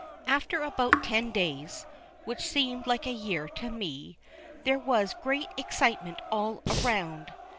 After about ten days, which seemed like a year to me, there was great excitement all around.